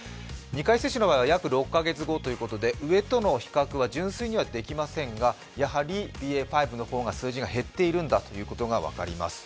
２回接種の場合は約６カ月後ということで上との比較は純粋にはできませんがやはりＢＡ．５の方が数字が減っているんだということが分かります。